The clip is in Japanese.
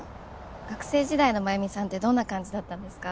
学生時代の繭美さんってどんな感じだったんですか？